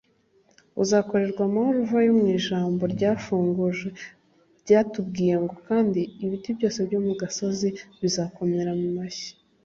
uzashorerwa amahoro uvayo mu ijambo twafunguje ryatubwiye ngo" kandi ibiti byose byo mu gasozi bizabakomera mu mashyi